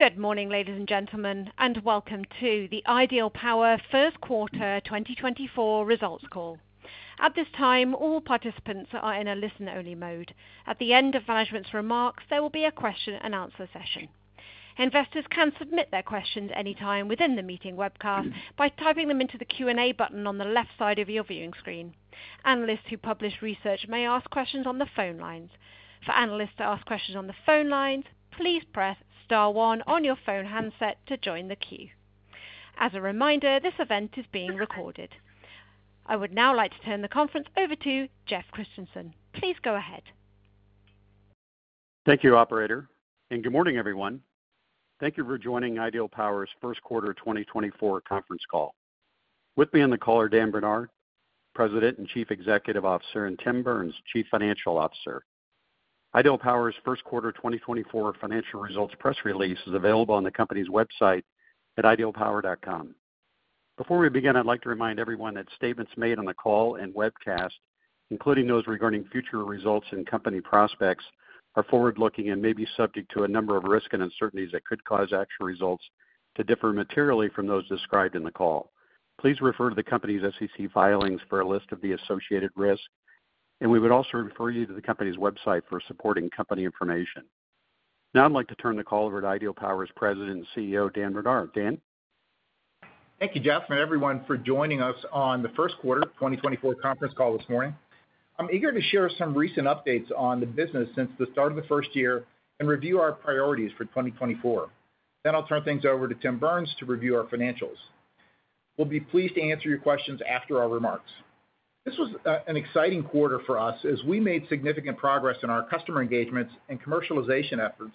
Good morning, ladies and gentlemen, and welcome to the Ideal Power first quarter 2024 results call. At this time, all participants are in a listen-only mode. At the end of management's remarks, there will be a question-and-answer session. Investors can submit their questions anytime within the meeting webcast by typing them into the Q&A button on the left side of your viewing screen. Analysts who publish research may ask questions on the phone lines. For analysts to ask questions on the phone lines, please press star one on your phone handset to join the queue. As a reminder, this event is being recorded. I would now like to turn the conference over to Jeff Christensen. Please go ahead. Thank you, operator, and good morning, everyone. Thank you for joining Ideal Power's first quarter 2024 conference call. With me on the call are Daniel Brdar, President and Chief Executive Officer, and Tim Burns, Chief Financial Officer. Ideal Power's first quarter 2024 financial results press release is available on the company's website at idealpower.com. Before we begin, I'd like to remind everyone that statements made on the call and webcast, including those regarding future results and company prospects, are forward-looking and may be subject to a number of risks and uncertainties that could cause actual results to differ materially from those described in the call. Please refer to the company's SEC filings for a list of the associated risks, and we would also refer you to the company's website for supporting company information. Now I'd like to turn the call over to Ideal Power's President and CEO, Dan Brdar. Dan? Thank you, Jeff, and everyone for joining us on the first quarter 2024 conference call this morning. I'm eager to share some recent updates on the business since the start of the first year and review our priorities for 2024. Then I'll turn things over to Tim Burns to review our financials. We'll be pleased to answer your questions after our remarks. This was an exciting quarter for us as we made significant progress in our customer engagements and commercialization efforts,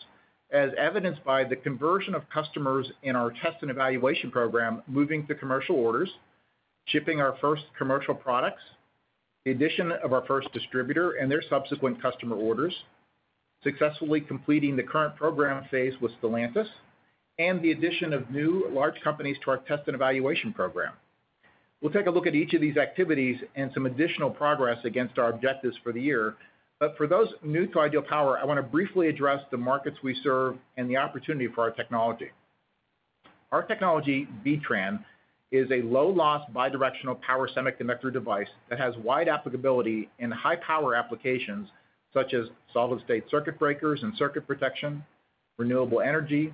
as evidenced by the conversion of customers in our test and evaluation program, moving to commercial orders, shipping our first commercial products, the addition of our first distributor and their subsequent customer orders, successfully completing the current program phase with Stellantis, and the addition of new large companies to our test and evaluation program. We'll take a look at each of these activities and some additional progress against our objectives for the year. But for those new to Ideal Power, I wanna briefly address the markets we serve and the opportunity for our technology. Our technology, B-TRAN, is a low-loss, bidirectional power semiconductor device that has wide applicability in high-power applications such as solid-state circuit breakers and circuit protection, renewable energy,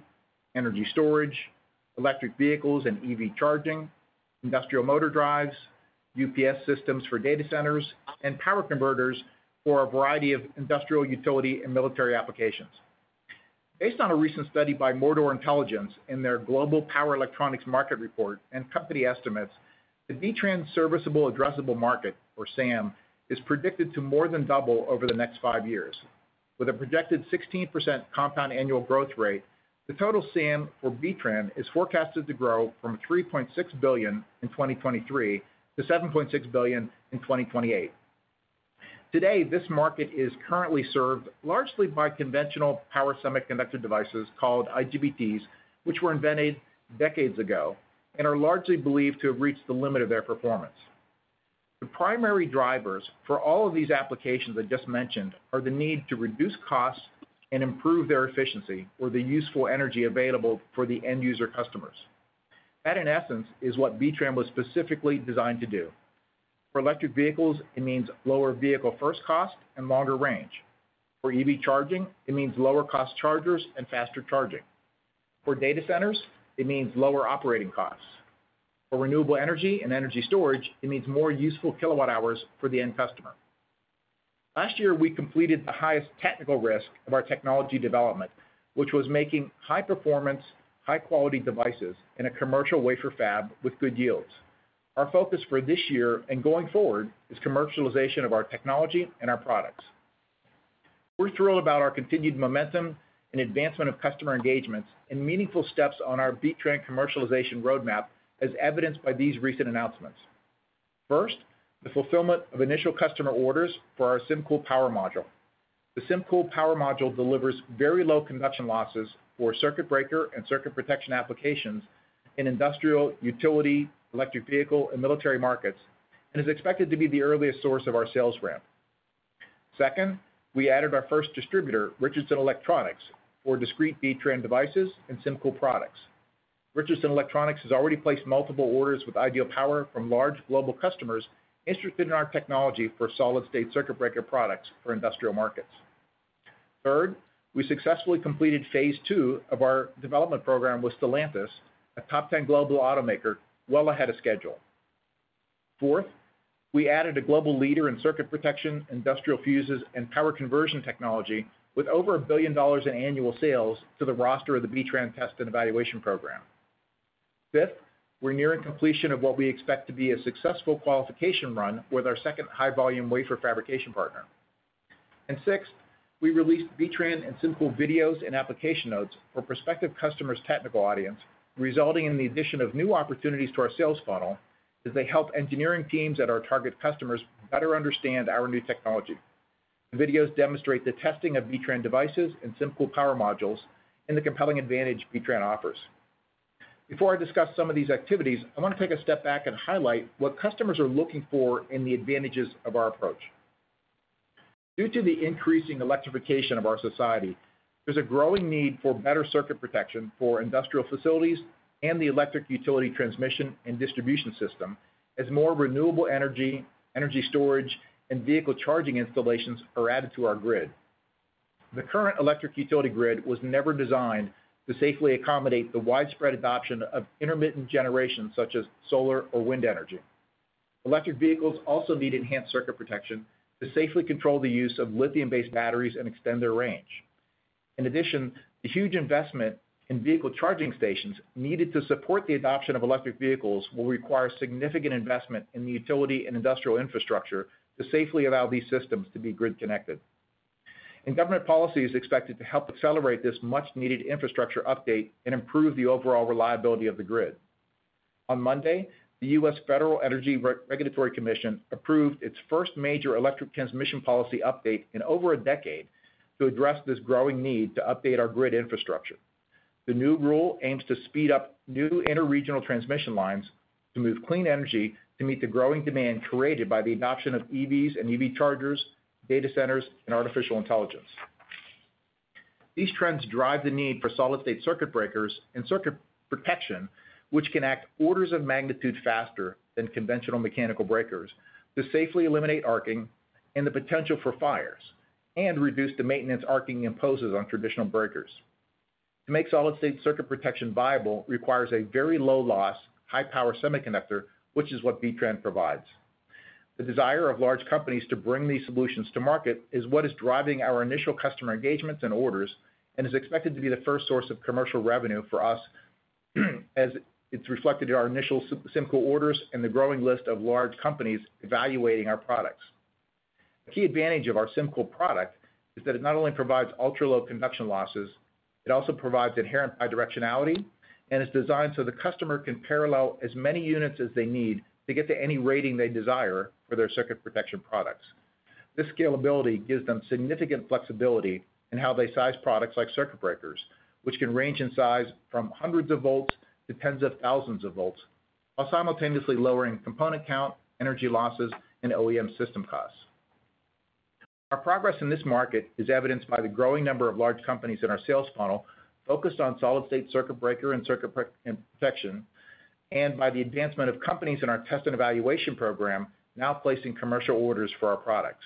energy storage, electric vehicles and EV charging, industrial motor drives, UPS systems for data centers, and power converters for a variety of industrial, utility, and military applications. Based on a recent study by Mordor Intelligence in their Global Power Electronics Market report and company estimates, the B-TRAN serviceable addressable market, or SAM, is predicted to more than double over the next five years. With a projected 16% compound annual growth rate, the total SAM for B-TRAN is forecasted to grow from $3.6 billion in 2023 to $7.6 billion in 2028. Today, this market is currently served largely by conventional power semiconductor devices called IGBTs, which were invented decades ago and are largely believed to have reached the limit of their performance. The primary drivers for all of these applications I just mentioned are the need to reduce costs and improve their efficiency or the useful energy available for the end user customers. That, in essence, is what B-TRAN was specifically designed to do. For electric vehicles, it means lower vehicle first cost and longer range. For EV charging, it means lower cost chargers and faster charging. For data centers, it means lower operating costs. For renewable energy and energy storage, it means more useful kilowatt hours for the end customer. Last year, we completed the highest technical risk of our technology development, which was making high-performance, high-quality devices in a commercial wafer fab with good yields. Our focus for this year and going forward is commercialization of our technology and our products. We're thrilled about our continued momentum and advancement of customer engagements and meaningful steps on our B-TRAN commercialization roadmap, as evidenced by these recent announcements. First, the fulfillment of initial customer orders for our SymCool power module. The SymCool power module delivers very low conduction losses for circuit breaker and circuit protection applications in industrial, utility, electric vehicle, and military markets, and is expected to be the earliest source of our sales ramp. Second, we added our first distributor, Richardson Electronics, for discrete B-TRAN devices and SymCool products. Richardson Electronics has already placed multiple orders with Ideal Power from large global customers interested in our technology for solid-state circuit breaker products for industrial markets. Third, we successfully completed phase two of our development program with Stellantis, a top ten global automaker, well ahead of schedule. Fourth, we added a global leader in circuit protection, industrial fuses, and power conversion technology with over $1 billion in annual sales to the roster of the B-TRAN test and evaluation program. Fifth, we're nearing completion of what we expect to be a successful qualification run with our second high-volume wafer fabrication partner. And sixth, we released B-TRAN and SymCool videos and application notes for prospective customers' technical audience, resulting in the addition of new opportunities to our sales funnel as they help engineering teams at our target customers better understand our new technology. The videos demonstrate the testing of B-TRAN devices and SymCool power modules and the compelling advantage B-TRAN offers. Before I discuss some of these activities, I want to take a step back and highlight what customers are looking for and the advantages of our approach. Due to the increasing electrification of our society, there's a growing need for better circuit protection for industrial facilities and the electric utility transmission and distribution system, as more renewable energy, energy storage, and vehicle charging installations are added to our grid. The current electric utility grid was never designed to safely accommodate the widespread adoption of intermittent generations, such as solar or wind energy. Electric vehicles also need enhanced circuit protection to safely control the use of lithium-based batteries and extend their range. In addition, the huge investment in vehicle charging stations needed to support the adoption of electric vehicles will require significant investment in the utility and industrial infrastructure to safely allow these systems to be grid connected. Government policy is expected to help accelerate this much-needed infrastructure update and improve the overall reliability of the grid. On Monday, the U.S. Federal Energy Regulatory Commission approved its first major electric transmission policy update in over a decade to address this growing need to update our grid infrastructure. The new rule aims to speed up new interregional transmission lines to move clean energy to meet the growing demand created by the adoption of EVs and EV chargers, data centers, and artificial intelligence. These trends drive the need for solid-state circuit breakers and circuit protection, which can act orders of magnitude faster than conventional mechanical breakers, to safely eliminate arcing and the potential for fires, and reduce the maintenance arcing imposes on traditional breakers. To make solid-state circuit protection viable requires a very low loss, high-power semiconductor, which is what B-TRAN provides. The desire of large companies to bring these solutions to market is what is driving our initial customer engagements and orders, and is expected to be the first source of commercial revenue for us, as it's reflected in our initial SymCool orders and the growing list of large companies evaluating our products. The key advantage of our SymCool product is that it not only provides ultra-low conduction losses, it also provides inherent bidirectionality, and is designed so the customer can parallel as many units as they need to get to any rating they desire for their circuit protection products. This scalability gives them significant flexibility in how they size products like circuit breakers, which can range in size from hundreds of volts to tens of thousands of volts, while simultaneously lowering component count, energy losses, and OEM system costs. Our progress in this market is evidenced by the growing number of large companies in our sales funnel focused on solid-state circuit breaker and circuit protection, and by the advancement of companies in our test and evaluation program now placing commercial orders for our products.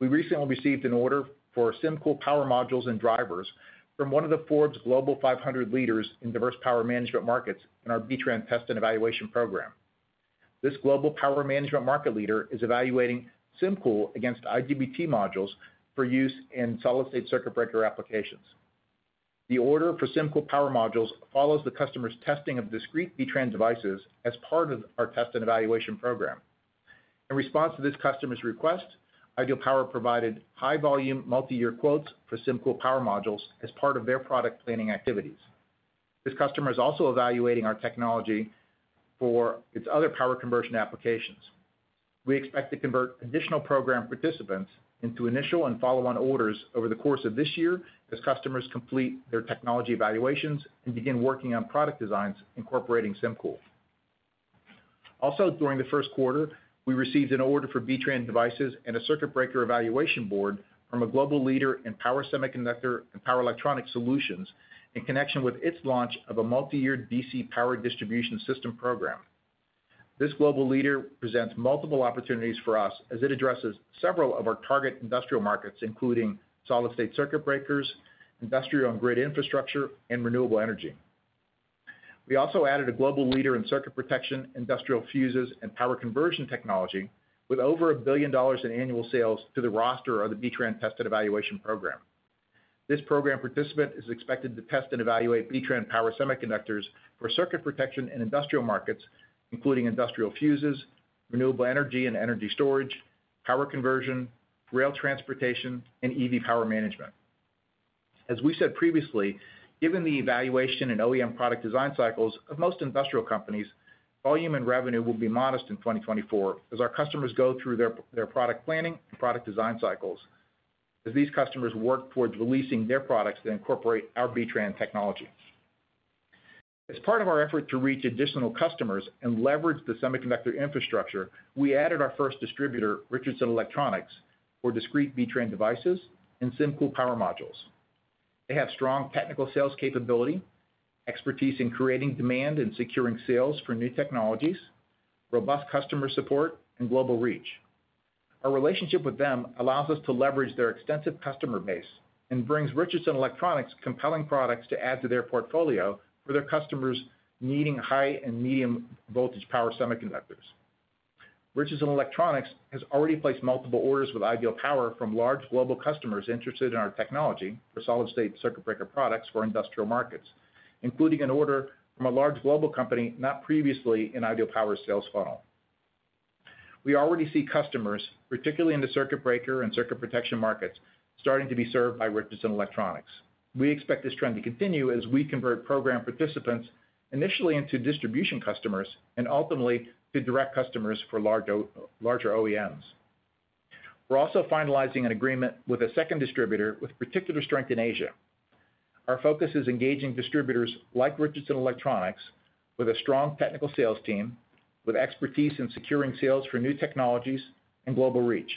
We recently received an order for SymCool power modules and drivers from one of the Forbes Global 500 leaders in diverse power management markets in our B-TRAN test and evaluation program. This global power management market leader is evaluating SymCool against IGBT modules for use in solid-state circuit breaker applications. The order for SymCool power modules follows the customer's testing of discrete B-TRAN devices as part of our test and evaluation program. In response to this customer's request, Ideal Power provided high volume, multi-year quotes for SymCool power modules as part of their product planning activities. This customer is also evaluating our technology for its other power conversion applications. We expect to convert additional program participants into initial and follow-on orders over the course of this year, as customers complete their technology evaluations and begin working on product designs incorporating SymCool. Also, during the first quarter, we received an order for B-TRAN devices and a circuit breaker evaluation board from a global leader in power semiconductor and power electronic solutions in connection with its launch of a multi-year DC power distribution system program. This global leader presents multiple opportunities for us as it addresses several of our target industrial markets, including solid-state circuit breakers, industrial and grid infrastructure, and renewable energy. We also added a global leader in circuit protection, industrial fuses, and power conversion technology with over $1 billion in annual sales to the roster of the B-TRAN tested evaluation program. This program participant is expected to test and evaluate B-TRAN power semiconductors for circuit protection in industrial markets, including industrial fuses, renewable energy and energy storage, power conversion, rail transportation, and EV power management. As we said previously, given the evaluation and OEM product design cycles of most industrial companies, volume and revenue will be modest in 2024 as our customers go through their their product planning and product design cycles, as these customers work towards releasing their products that incorporate our B-TRAN technology. As part of our effort to reach additional customers and leverage the semiconductor infrastructure, we added our first distributor, Richardson Electronics, for discrete B-TRAN devices and SymCool power modules. They have strong technical sales capability, expertise in creating demand and securing sales for new technologies, robust customer support, and global reach. Our relationship with them allows us to leverage their extensive customer base and brings Richardson Electronics compelling products to add to their portfolio for their customers needing high and medium voltage power semiconductors. Richardson Electronics has already placed multiple orders with Ideal Power from large global customers interested in our technology for solid-state circuit breaker products for industrial markets, including an order from a large global company not previously in Ideal Power's sales funnel. We already see customers, particularly in the circuit breaker and circuit protection markets, starting to be served by Richardson Electronics. We expect this trend to continue as we convert program participants initially into distribution customers and ultimately to direct customers for larger OEMs. We're also finalizing an agreement with a second distributor with particular strength in Asia. Our focus is engaging distributors like Richardson Electronics, with a strong technical sales team, with expertise in securing sales for new technologies and global reach.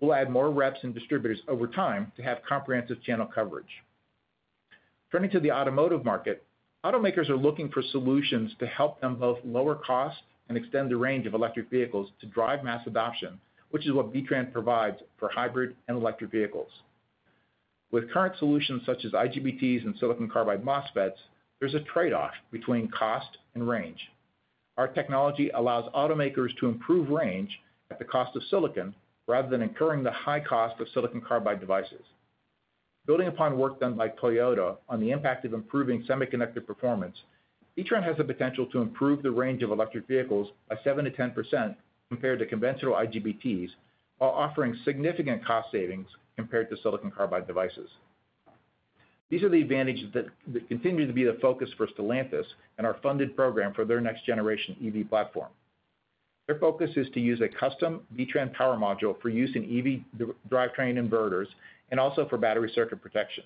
We'll add more reps and distributors over time to have comprehensive channel coverage. Turning to the automotive market, automakers are looking for solutions to help them both lower costs and extend the range of electric vehicles to drive mass adoption, which is what B-TRAN provides for hybrid and electric vehicles. With current solutions such as IGBTs and silicon carbide MOSFETs, there's a trade-off between cost and range. Our technology allows automakers to improve range at the cost of silicon, rather than incurring the high cost of silicon carbide devices. Building upon work done by Toyota on the impact of improving semiconductor performance, B-TRAN has the potential to improve the range of electric vehicles by 7%-10% compared to conventional IGBTs, while offering significant cost savings compared to silicon carbide devices. These are the advantages that continue to be the focus for Stellantis and our funded program for their next generation EV platform. Their focus is to use a custom B-TRAN power module for use in EV drivetrain inverters and also for battery circuit protection.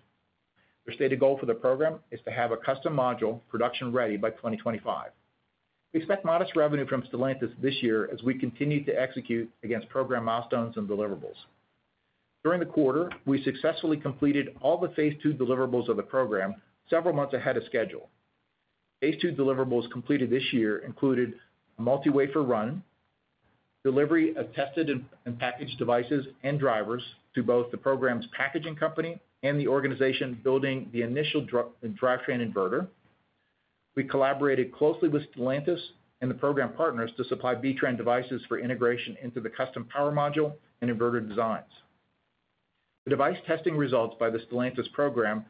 Their stated goal for the program is to have a custom module production-ready by 2025. We expect modest revenue from Stellantis this year as we continue to execute against program milestones and deliverables. During the quarter, we successfully completed all the phase two deliverables of the program several months ahead of schedule. Phase two deliverables completed this year included a multi-wafer run, delivery of tested and packaged devices and drivers to both the program's packaging company and the organization building the initial drivetrain inverter. We collaborated closely with Stellantis and the program partners to supply B-TRAN devices for integration into the custom power module and inverter designs. The device testing results by the Stellantis program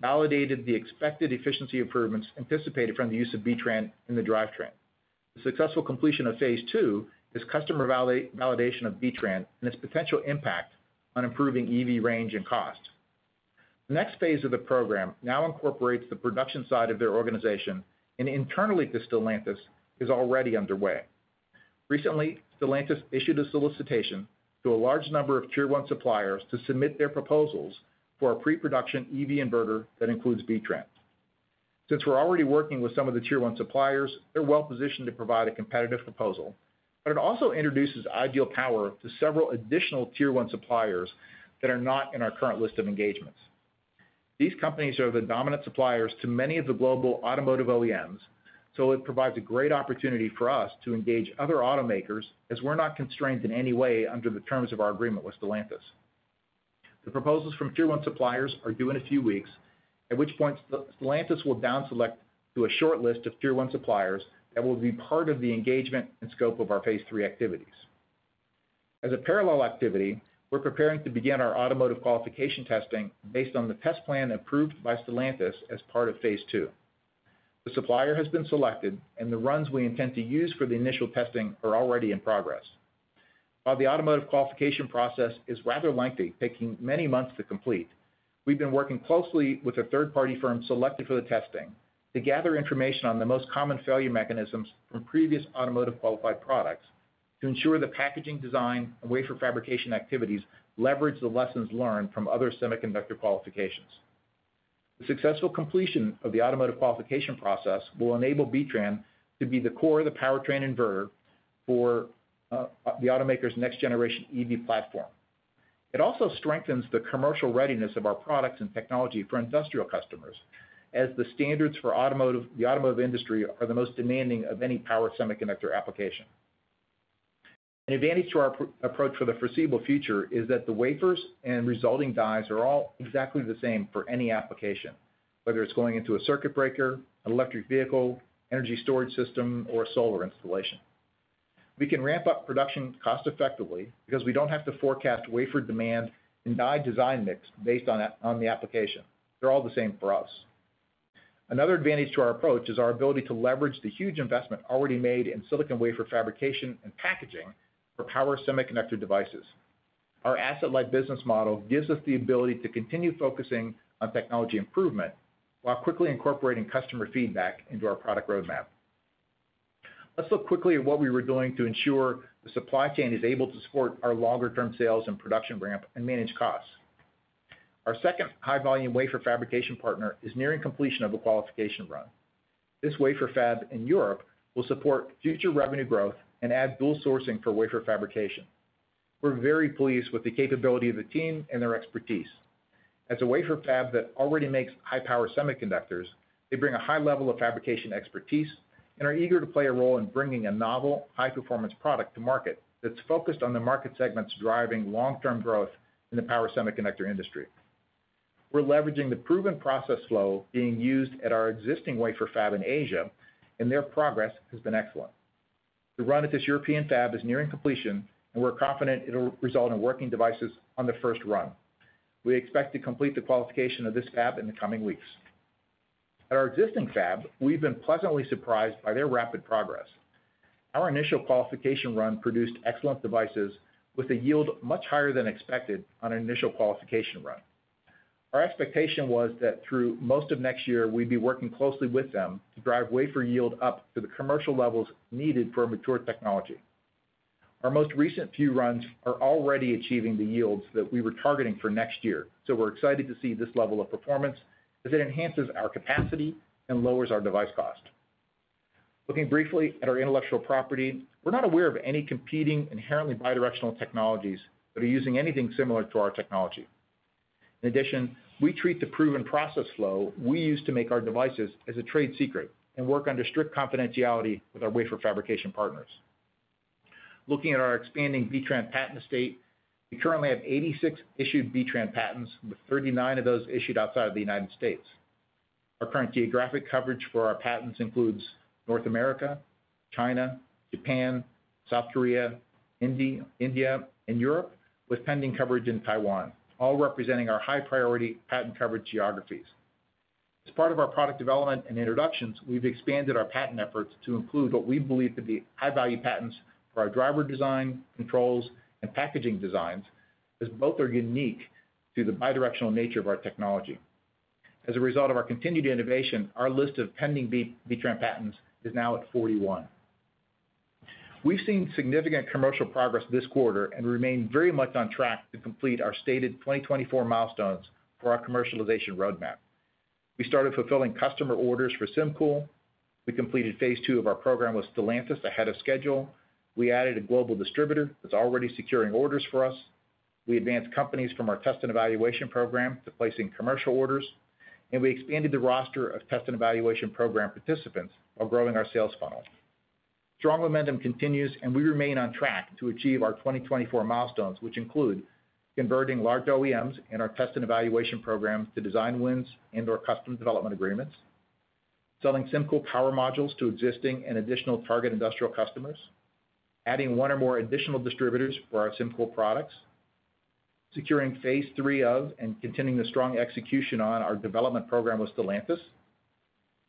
validated the expected efficiency improvements anticipated from the use of B-TRAN in the drivetrain. The successful completion of phase two is customer validation of B-TRAN and its potential impact on improving EV range and cost. The next phase of the program now incorporates the production side of their organization, and internally to Stellantis, is already underway. Recently, Stellantis issued a solicitation to a large number of Tier 1 suppliers to submit their proposals for a pre-production EV inverter that includes B-TRAN. Since we're already working with some of the Tier 1 suppliers, they're well positioned to provide a competitive proposal, but it also introduces Ideal Power to several additional Tier 1 suppliers that are not in our current list of engagements. These companies are the dominant suppliers to many of the global automotive OEMs, so it provides a great opportunity for us to engage other automakers, as we're not constrained in any way under the terms of our agreement with Stellantis. The proposals from tier one suppliers are due in a few weeks, at which point Stellantis will down select to a short list of tier one suppliers that will be part of the engagement and scope of our phase three activities. As a parallel activity, we're preparing to begin our automotive qualification testing based on the test plan approved by Stellantis as part of phase two. The supplier has been selected, and the runs we intend to use for the initial testing are already in progress. While the automotive qualification process is rather lengthy, taking many months to complete, we've been working closely with a third-party firm selected for the testing to gather information on the most common failure mechanisms from previous automotive qualified products to ensure the packaging design and wafer fabrication activities leverage the lessons learned from other semiconductor qualifications. The successful completion of the automotive qualification process will enable B-TRAN to be the core of the powertrain inverter for the automaker's next generation EV platform. It also strengthens the commercial readiness of our products and technology for industrial customers, as the standards for automotive the automotive industry are the most demanding of any power semiconductor application. An advantage to our approach for the foreseeable future is that the wafers and resulting dies are all exactly the same for any application, whether it's going into a circuit breaker, an electric vehicle, energy storage system, or solar installation. We can ramp up production cost-effectively because we don't have to forecast wafer demand and die design mix based on the application. They're all the same for us. Another advantage to our approach is our ability to leverage the huge investment already made in silicon wafer fabrication and packaging for power semiconductor devices. Our asset-light business model gives us the ability to continue focusing on technology improvement while quickly incorporating customer feedback into our product roadmap. Let's look quickly at what we were doing to ensure the supply chain is able to support our longer-term sales and production ramp and manage costs. Our second high-volume wafer fabrication partner is nearing completion of a qualification run. This wafer fab in Europe will support future revenue growth and add dual sourcing for wafer fabrication. We're very pleased with the capability of the team and their expertise. As a wafer fab that already makes high-power semiconductors, they bring a high level of fabrication expertise and are eager to play a role in bringing a novel, high-performance product to market that's focused on the market segments driving long-term growth in the power semiconductor industry. We're leveraging the proven process flow being used at our existing wafer fab in Asia, and their progress has been excellent. The run at this European fab is nearing completion, and we're confident it'll result in working devices on the first run. We expect to complete the qualification of this fab in the coming weeks. At our existing fab, we've been pleasantly surprised by their rapid progress. Our initial qualification run produced excellent devices with a yield much higher than expected on an initial qualification run. Our expectation was that through most of next year, we'd be working closely with them to drive wafer yield up to the commercial levels needed for a mature technology.... Our most recent few runs are already achieving the yields that we were targeting for next year, so we're excited to see this level of performance, as it enhances our capacity and lowers our device cost. Looking briefly at our intellectual property, we're not aware of any competing, inherently bidirectional technologies that are using anything similar to our technology. In addition, we treat the proven process flow we use to make our devices as a trade secret and work under strict confidentiality with our wafer fabrication partners. Looking at our expanding B-TRAN patent estate, we currently have 86 issued B-TRAN patents, with 39 of those issued outside of the United States. Our current geographic coverage for our patents includes North America, China, Japan, South Korea, India, and Europe, with pending coverage in Taiwan, all representing our high-priority patent coverage geographies. As part of our product development and introductions, we've expanded our patent efforts to include what we believe to be high-value patents for our driver design, controls, and packaging designs, as both are unique to the bidirectional nature of our technology. As a result of our continued innovation, our list of pending B-TRAN patents is now at 41. We've seen significant commercial progress this quarter and remain very much on track to complete our stated 2024 milestones for our commercialization roadmap. We started fulfilling customer orders for SymCool. We completed phase two of our program with Stellantis ahead of schedule. We added a global distributor that's already securing orders for us. We advanced companies from our test and evaluation program to placing commercial orders, and we expanded the roster of test and evaluation program participants while growing our sales funnel. Strong momentum continues, and we remain on track to achieve our 2024 milestones, which include converting large OEMs in our test and evaluation program to design wins and/or custom development agreements, selling SymCool power modules to existing and additional target industrial customers, Adding one or more additional distributors for our SymCool products, securing phase three of and continuing the strong execution on our development program with Stellantis,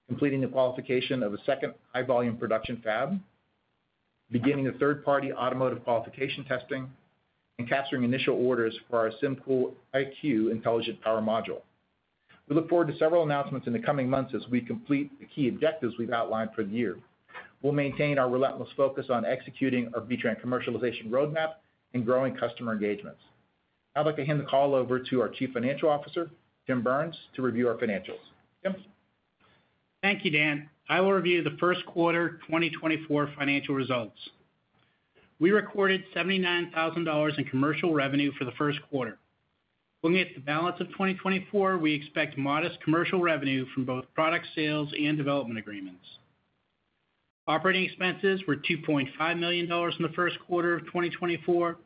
completing the qualification of a second high-volume production fab, beginning the third-party automotive qualification testing, and capturing initial orders for our SymCool IQ intelligent power module. We look forward to several announcements in the coming months as we complete the key objectives we've outlined for the year. We'll maintain our relentless focus on executing our B-TRAN commercialization roadmap and growing customer engagements. I'd like to hand the call over to our Chief Financial Officer, Tim Burns, to review our financials. Tim? Thank you, Dan. I will review the first quarter 2024 financial results. We recorded $79,000 in commercial revenue for the first quarter. Looking at the balance of 2024, we expect modest commercial revenue from both product sales and development agreements. Operating expenses were $2.5 million in the first quarter of 2024,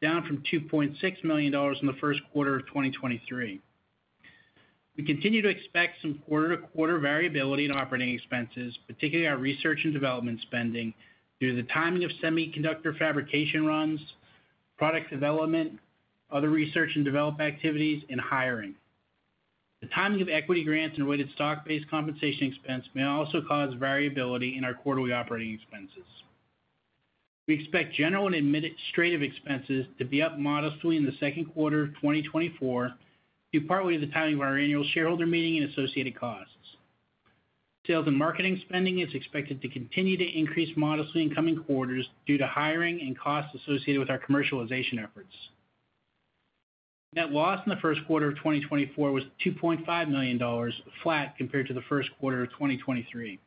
down from $2.6 million in the first quarter of 2023. We continue to expect some quarter-to-quarter variability in operating expenses, particularly our research and development spending, due to the timing of semiconductor fabrication runs, product development, other research and development activities, and hiring. The timing of equity grants and weighted stock-based compensation expense may also cause variability in our quarterly operating expenses. We expect general and administrative expenses to be up modestly in the second quarter of 2024, due partly to the timing of our annual shareholder meeting and associated costs. Sales and marketing spending is expected to continue to increase modestly in coming quarters due to hiring and costs associated with our commercialization efforts. Net loss in the first quarter of 2024 was $2.5 million, flat compared to the first quarter of 2023.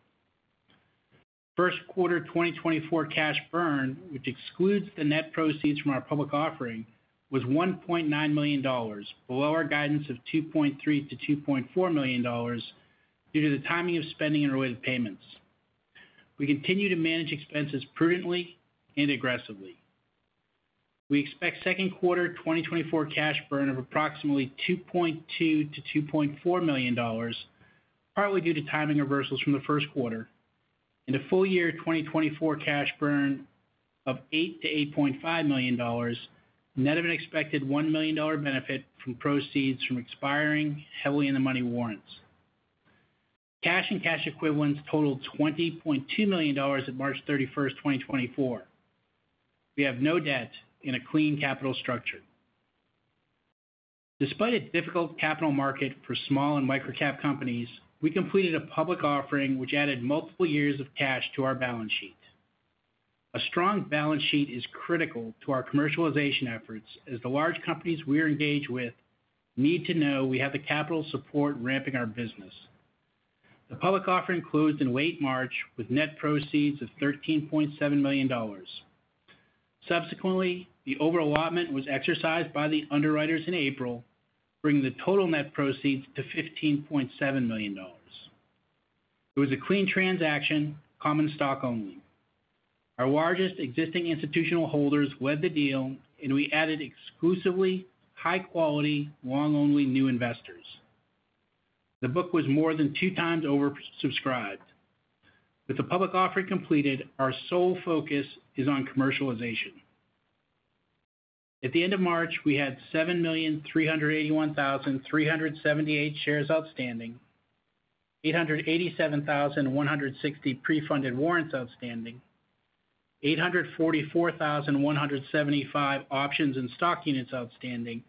First quarter 2024 cash burn, which excludes the net proceeds from our public offering, was $1.9 million, below our guidance of $2.3 million-$2.4 million, due to the timing of spending and related payments. We continue to manage expenses prudently and aggressively. We expect second quarter 2024 cash burn of approximately $2.2 million-$2.4 million, partly due to timing reversals from the first quarter. In the full year 2024 cash burn of $8 million-$8.5 million, net of an expected $1 million benefit from proceeds from expiring heavily in-the-money warrants. Cash and cash equivalents totaled $20.2 million at March 31, 2024. We have no debt and a clean capital structure. Despite a difficult capital market for small and micro-cap companies, we completed a public offering which added multiple years of cash to our balance sheet. A strong balance sheet is critical to our commercialization efforts, as the large companies we are engaged with need to know we have the capital support in ramping our business. The public offering closed in late March with net proceeds of $13.7 million. Subsequently, the over-allotment was exercised by the underwriters in April, bringing the total net proceeds to $15.7 million. It was a clean transaction, common stock only. Our largest existing institutional holders led the deal, and we added exclusively high-quality, long-only new investors. The book was more than 2x oversubscribed. With the public offering completed, our sole focus is on commercialization. At the end of March, we had 7,381,378 shares outstanding, 887,160 pre-funded warrants outstanding, 844,175 options and stock units outstanding,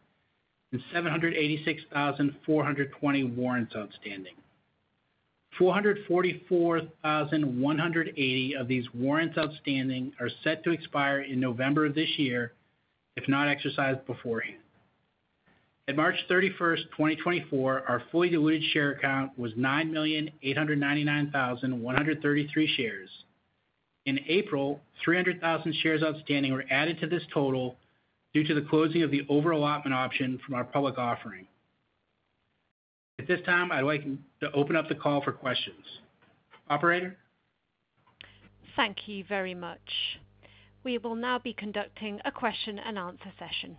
and 786,420 warrants outstanding.... 444,180 of these warrants outstanding are set to expire in November of this year, if not exercised beforehand. At March 31, 2024, our fully diluted share count was 9,899,133 shares. In April, 300,000 shares outstanding were added to this total due to the closing of the over-allotment option from our public offering. At this time, I'd like to open up the call for questions. Operator? Thank you very much. We will now be conducting a question and answer session.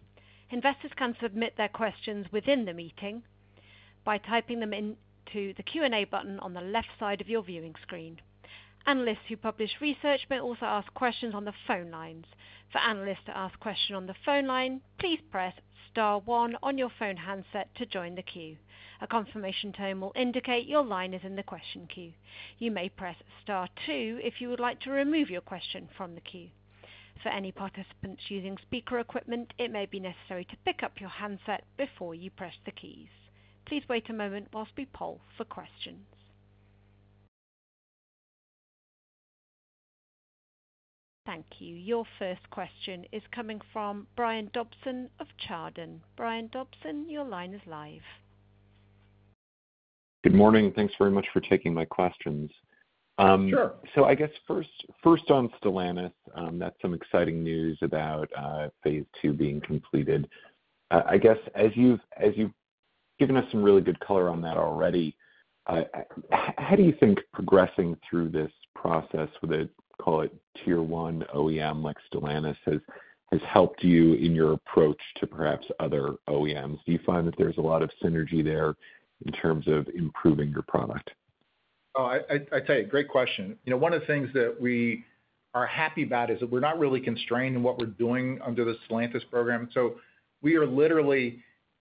Investors can submit their questions within the meeting by typing them into the Q&A button on the left side of your viewing screen. Analysts who publish research may also ask questions on the phone lines. For analysts to ask questions on the phone line, please press star one on your phone handset to join the queue. A confirmation tone will indicate your line is in the question queue. You may press star two if you would like to remove your question from the queue. For any participants using speaker equipment, it may be necessary to pick up your handset before you press the keys. Please wait a moment whilst we poll for questions. Thank you. Your first question is coming from Brian Dobson of Chardan. Brian Dobson, your line is live. Good morning, thanks very much for taking my questions. Sure. So, I guess first on Stellantis, that's some exciting news about phase two being completed. I guess, as you've given us some really good color on that already, how do you think progressing through this process with a, call it, tier one OEM like Stellantis has helped you in your approach to perhaps other OEMs? Do you find that there's a lot of synergy there in terms of improving your product? Oh, I'd say, great question. You know, one of the things that we are happy about is that we're not really constrained in what we're doing under the Stellantis program. So we are literally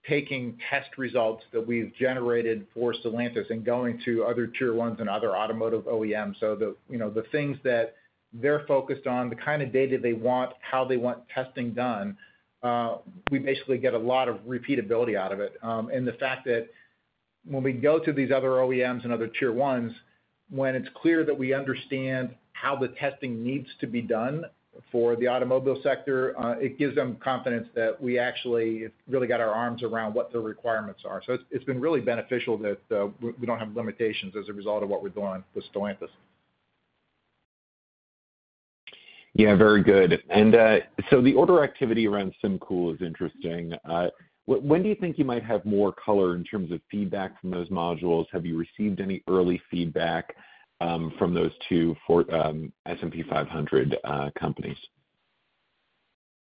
taking test results that we've generated for Stellantis and going to other tier ones and other automotive OEMs. So the, you know, the things that they're focused on, the kind of data they want, how they want testing done, we basically get a lot of repeatability out of it. And the fact that when we go to these other OEMs and other tier ones, when it's clear that we understand how the testing needs to be done for the automobile sector, it gives them confidence that we actually really got our arms around what the requirements are. So it's been really beneficial that we don't have limitations as a result of what we're doing with Stellantis. Yeah, very good. And, so the order activity around SymCool is interesting. When do you think you might have more color in terms of feedback from those modules? Have you received any early feedback from those two for S&P 500 companies?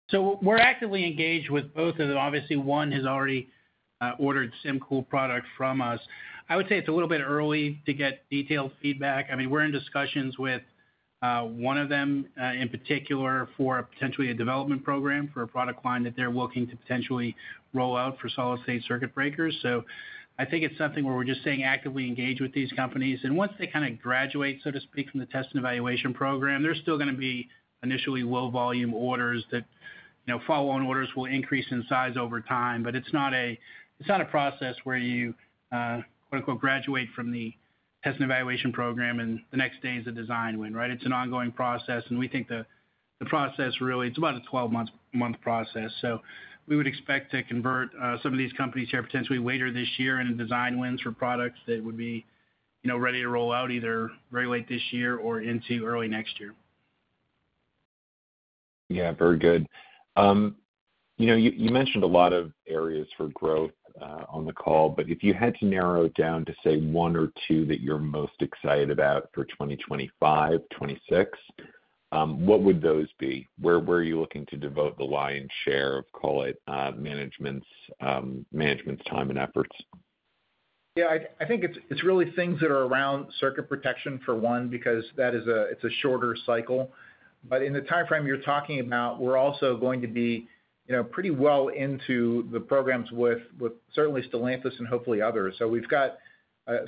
So we're actively engaged with both, and obviously one has already ordered SymCool product from us. I would say it's a little bit early to get detailed feedback. I mean, we're in discussions with one of them in particular for potentially a development program for a product line that they're looking to potentially roll out for solid-state circuit breakers. So I think it's something where we're just staying actively engaged with these companies, and once they kind of graduate, so to speak, from the test and evaluation program, there's still gonna be initially low volume orders that, you know, follow-on orders will increase in size over time. But it's not a, it's not a process where you quote, unquote, "graduate from the test and evaluation program, and the next day is a design win," right? It's an ongoing process, and we think the process really, it's about a 12-month process. So we would expect to convert some of these companies here potentially later this year into design wins for products that would be, you know, ready to roll out either very late this year or into early next year. Yeah, very good. You know, you mentioned a lot of areas for growth on the call, but if you had to narrow it down to, say, one or two that you're most excited about for 2025, 2026, what would those be? Where are you looking to devote the lion's share of, call it, management's time and efforts? Yeah, I think it's really things that are around circuit protection, for one, because that is a shorter cycle. But in the timeframe you're talking about, we're also going to be, you know, pretty well into the programs with certainly Stellantis and hopefully others. So we've got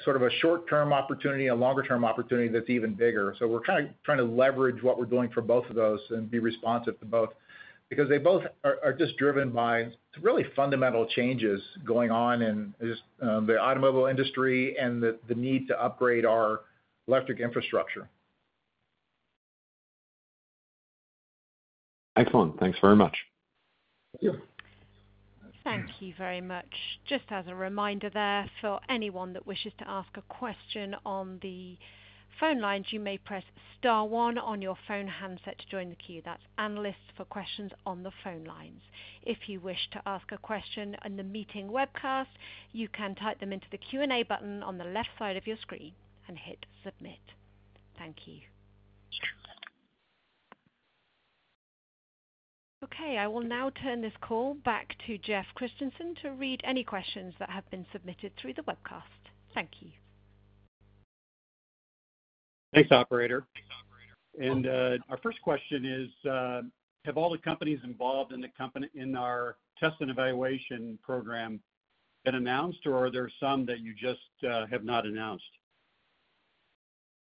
sort of a short-term opportunity, a longer-term opportunity that's even bigger. So we're kind of trying to leverage what we're doing for both of those and be responsive to both, because they both are just driven by really fundamental changes going on in just the automobile industry and the need to upgrade our electric infrastructure. Excellent. Thanks very much. Yeah. Thank you very much. Just as a reminder there, for anyone that wishes to ask a question on the phone lines, you may press star one on your phone handset to join the queue. That's analysts for questions on the phone lines. If you wish to ask a question on the meeting webcast, you can type them into the Q&A button on the left side of your screen and hit Submit. Thank you. Okay, I will now turn this call back to Jeff Christensen to read any questions that have been submitted through the webcast. Thank you. Thanks, operator. Our first question is, have all the companies involved in our test and evaluation program been announced, or are there some that you just have not announced?...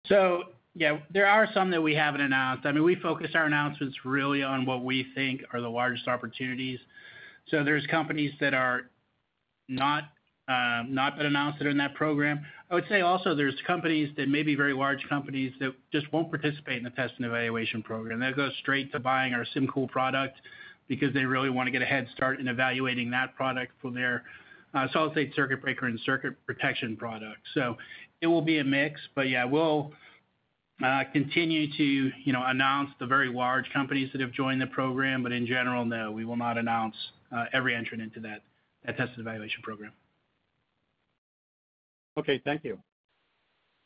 So yeah, there are some that we haven't announced. I mean, we focus our announcements really on what we think are the largest opportunities. So there's companies that have not been announced that are in that program. I would say also there's companies that may be very large companies that just won't participate in the test and evaluation program. They'll go straight to buying our SymCool product because they really wanna get a head start in evaluating that product for their solid-state circuit breaker and circuit protection product. So it will be a mix, but yeah, we'll continue to, you know, announce the very large companies that have joined the program, but in general, no, we will not announce every entrant into that test and evaluation program. Okay, thank you.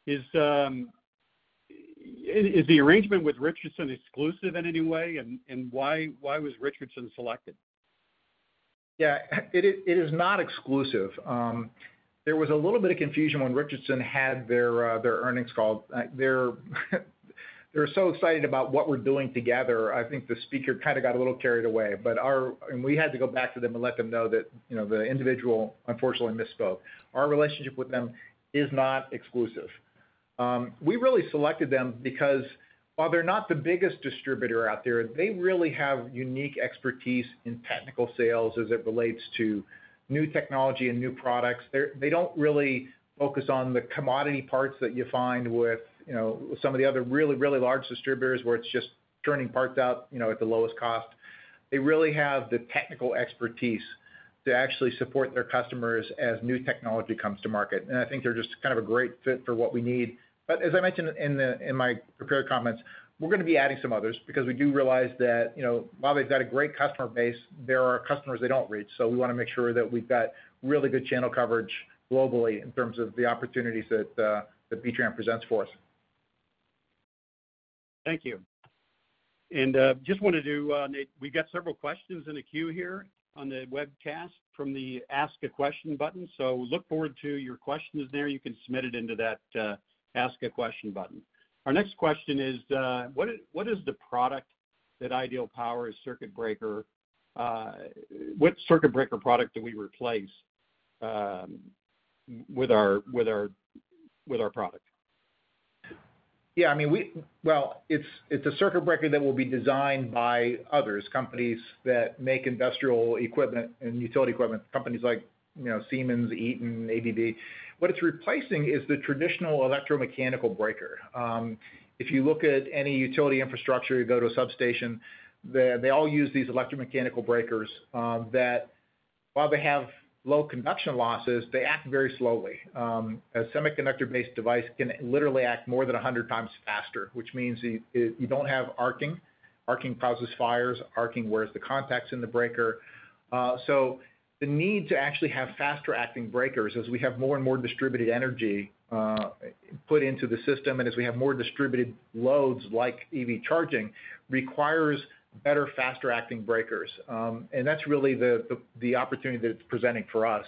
Is the arrangement with Richardson exclusive in any way? And why was Richardson selected? Yeah, it is; it is not exclusive. There was a little bit of confusion when Richardson had their, their earnings call. They're, they're so excited about what we're doing together, I think the speaker kind of got a little carried away. But we had to go back to them and let them know that, you know, the individual, unfortunately, misspoke. Our relationship with them is not exclusive. We really selected them because while they're not the biggest distributor out there, they really have unique expertise in technical sales as it relates to new technology and new products. They don't really focus on the commodity parts that you find with, you know, some of the other really, really large distributors, where it's just turning parts out, you know, at the lowest cost. They really have the technical expertise to actually support their customers as new technology comes to market, and I think they're just kind of a great fit for what we need. But as I mentioned in my prepared comments, we're gonna be adding some others because we do realize that, you know, while they've got a great customer base, there are customers they don't reach. So we wanna make sure that we've got really good channel coverage globally in terms of the opportunities that B-TRAN presents for us. Thank you. And just wanted to, note, we've got several questions in the queue here on the webcast from the Ask a Question button. So look forward to your questions there. You can submit it into that Ask a Question button. Our next question is, what is the product that Ideal Power's circuit breaker, what circuit breaker product do we replace with our product? Yeah, I mean, Well, it's a circuit breaker that will be designed by others, companies that make industrial equipment and utility equipment, companies like, you know, Siemens, Eaton, ABB. What it's replacing is the traditional electromechanical breaker. If you look at any utility infrastructure, you go to a substation, they all use these electromechanical breakers, that while they have low conduction losses, they act very slowly. A semiconductor-based device can literally act more than 100 times faster, which means you don't have arcing. Arcing causes fires. Arcing wears the contacts in the breaker. So the need to actually have faster acting breakers as we have more and more distributed energy put into the system, and as we have more distributed loads like EV charging, requires better, faster acting breakers. That's really the opportunity that it's presenting for us.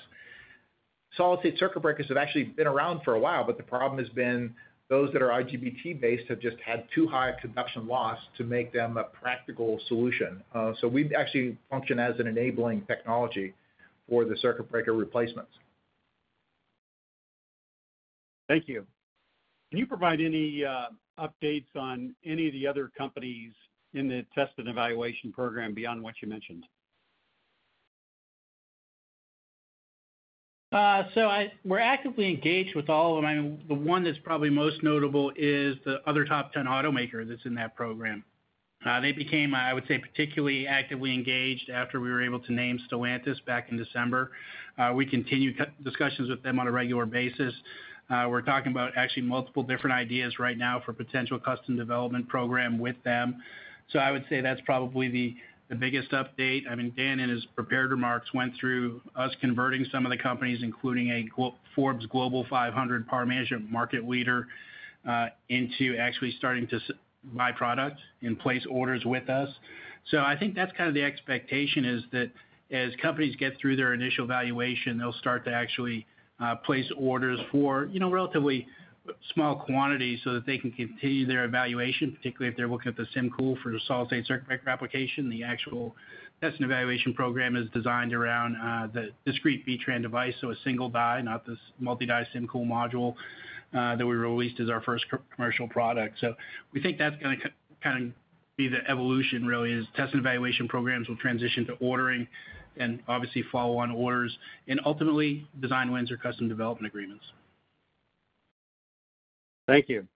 Solid-state circuit breakers have actually been around for a while, but the problem has been those that are IGBT-based have just had too high a conduction loss to make them a practical solution. So we actually function as an enabling technology for the circuit breaker replacements. Thank you. Can you provide any updates on any of the other companies in the test and evaluation program beyond what you mentioned? So, we're actively engaged with all of them. The one that's probably most notable is the other top 10 automaker that's in that program. They became, I would say, particularly actively engaged after we were able to name Stellantis back in December. We continue to have discussions with them on a regular basis. We're talking about actually multiple different ideas right now for potential custom development program with them. So I would say that's probably the biggest update. I mean, Dan, in his prepared remarks, went through us converting some of the companies, including a quote, "Forbes Global 500 power management market leader," into actually starting to buy products and place orders with us. So I think that's kind of the expectation, is that as companies get through their initial evaluation, they'll start to actually, place orders for, you know, relatively small quantities so that they can continue their evaluation, particularly if they're looking at the SymCool for the solid-state circuit breaker application. The actual test and evaluation program is designed around, the discrete B-TRAN device, so a single die, not this multi-die SymCool module, that we released as our first commercial product. So we think that's gonna kind of be the evolution, really, is test and evaluation programs will transition to ordering and obviously follow-on orders, and ultimately, design wins or custom development agreements. Thank you.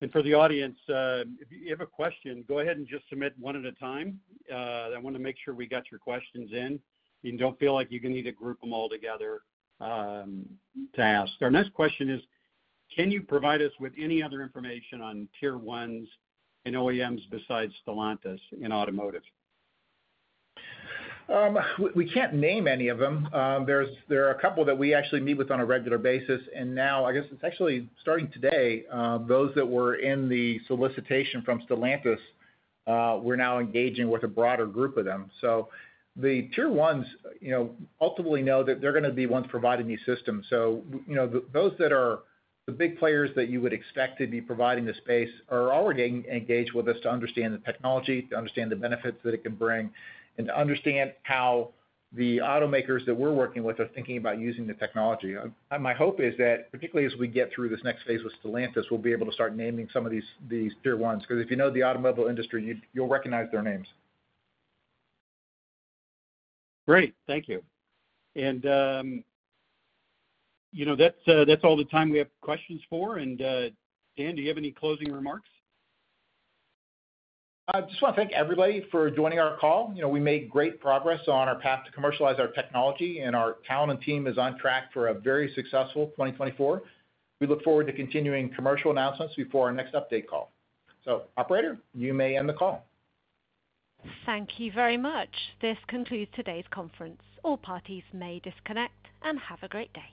And for the audience, if you have a question, go ahead and just submit one at a time. I wanna make sure we got your questions in, and don't feel like you need to group them all together, to ask. Our next question is: Can you provide us with any other information on Tier 1s and OEMs besides Stellantis in automotive? We can't name any of them. There are a couple that we actually meet with on a regular basis, and now I guess it's actually starting today, those that were in the solicitation from Stellantis, we're now engaging with a broader group of them. So the tier ones, you know, ultimately know that they're gonna be ones providing these systems. So, you know, those that are the big players that you would expect to be providing the space are already engaged with us to understand the technology, to understand the benefits that it can bring, and to understand how the automakers that we're working with are thinking about using the technology. My hope is that, particularly as we get through this next phase with Stellantis, we'll be able to start naming some of these, these Tier 1s, because if you know the automobile industry, you, you'll recognize their names. Great. Thank you. And, you know, that's all the time we have questions for, and, Dan, do you have any closing remarks? I just wanna thank everybody for joining our call. You know, we made great progress on our path to commercialize our technology, and our talent and team is on track for a very successful 2024. We look forward to continuing commercial announcements before our next update call. So operator, you may end the call. Thank you very much. This concludes today's conference. All parties may disconnect and have a great day.